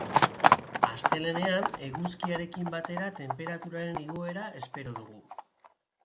Astelehenean, eguzkiarekin batera tenperaturaren igoera espero dugu.